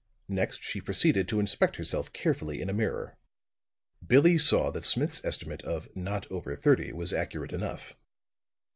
Next she proceeded to inspect herself carefully in a mirror. Billie saw that Smith's estimate of "not over thirty" was accurate enough.